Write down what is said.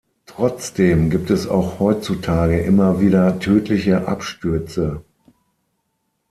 Trotzdem gibt es auch heutzutage immer wieder tödliche Abstürze.